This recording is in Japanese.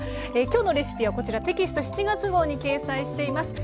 今日のレシピはこちらテキスト７月号に掲載しています。